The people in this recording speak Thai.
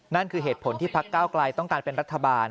นั่นคือเหตุผลที่พักเก้าไกลต้องการเป็นรัฐบาล